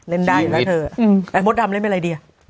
เล่นได้แล้วเธอโมดดำเล่นเป็นอะไรดี